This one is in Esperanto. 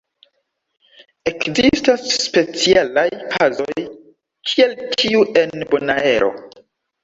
Ekzistas specialaj kazoj kiel tiu en Bonaero.